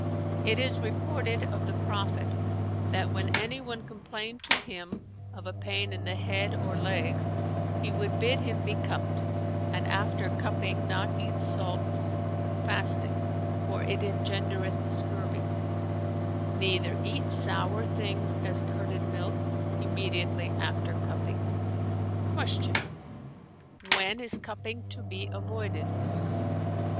It is reported of the Prophet that, when anyone complained to him of a pain in the head or legs, he would bid him be cupped and after cupping not eat salt food, fasting, for it engendereth scurvy; neither eat sour things as curded milk[FN#408] immediately after cupping." Q "When is cupping to be avoided?"